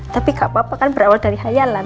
tapi kak papa kan berawal dari hayalan